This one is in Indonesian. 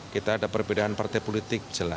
kita ada perbedaan partai politik jelas